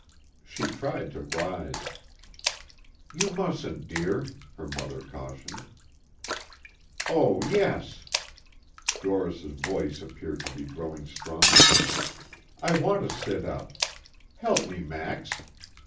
She tried to rise. "You mustn't dear," her mother cautioned. "Oh yes," Doris voice appeared to be growing stronger. "I want to sit up. Help me, Max."